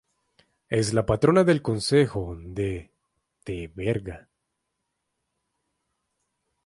Es la patrona del concejo de Teverga.